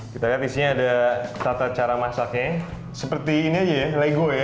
kita lihat di sini ada tata cara masaknya seperti ini aja ya lego ya